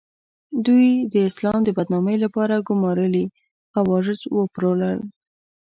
دوی د اسلام د بدنامۍ لپاره ګومارلي خوارج وپلورل.